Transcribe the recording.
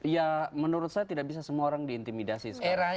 ya menurut saya tidak bisa semua orang diintimidasi sekarang